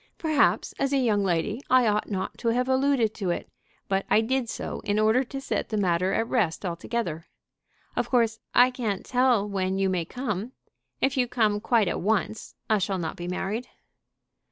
Perhaps as a young lady I ought not to have alluded to it, but I did so in order to set the matter at rest altogether. Of course I can't tell when you may come. If you come quite at once I shall not be married."